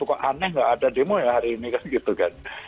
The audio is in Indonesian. kok aneh nggak ada demo ya hari ini kan gitu kan